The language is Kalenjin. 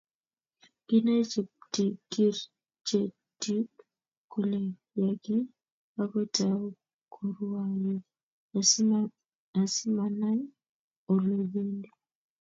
Kinai cheptikirchetik kole yakiy akotou korwaiyo asimanai olebendi